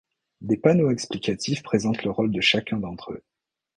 Des panneaux explicatifs présentent le rôle de chacun d'entre eux.